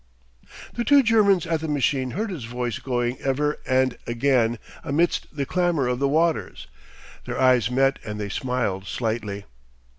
The two Germans at the machine heard his voice going ever and again amidst the clamour of the waters. Their eyes met and they smiled slightly.